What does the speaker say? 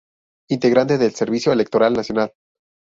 Integrante del Servicio Electoral Nacional.